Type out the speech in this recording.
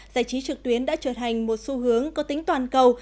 giải trí trực tuyến đã trở thành một xu hướng có tính toàn cầu